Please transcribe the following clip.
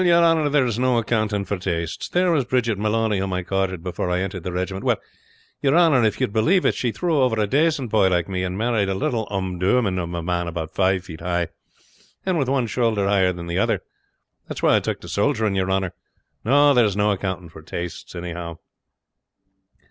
"Well, your honor, there is no accounting for tastes. There was Bridget Maloney, whom I courted before I entered the regiment. Well, your honor, if you would believe it, she threw over a dacent boy like myself, and married a little omadoun of a man about five feet high, and with one shoulder higher than the other. That was why I took to soldiering, your honor. No, there is no accounting for tastes anyhow.